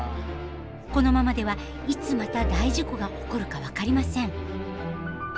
このままではいつまた大事故が起こるか分かりません。